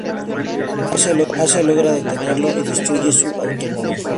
Ace logra detenerlo y destruye su automóvil.